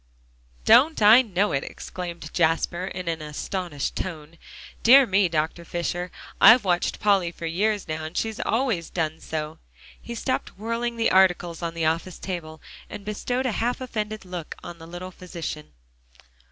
"Don't I know it?" exclaimed Jasper, in an astonished tone. "Dear me, Dr. Fisher, I've watched Polly for years now. And she's always done so." He stopped whirling the articles on the office table, and bestowed a half offended look on the little physician.